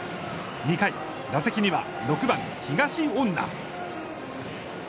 ２回、打席には、６番東恩納。